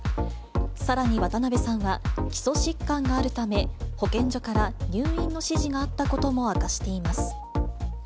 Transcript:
さらに渡辺さんは、基礎疾患があるため、保健所から入院の指示があったことも明かしています。